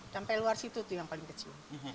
sampai luar situ tuh yang paling kecil